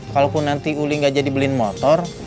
kalaupun nanti uli gak jadi beliin motor